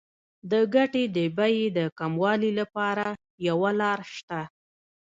د ګټې د بیې د کموالي لپاره یوه لار شته